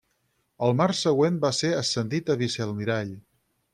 El març següent va ser ascendit a vicealmirall.